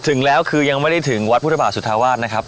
ถึงแล้วคือยังไม่ได้ถึงวัดพุทธบาทสุธาวาสนะครับ